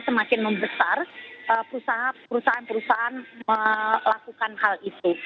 semakin membesar perusahaan perusahaan melakukan hal itu